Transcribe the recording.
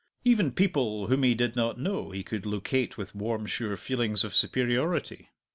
Even people whom he did not know he could locate with warm sure feelings of superiority.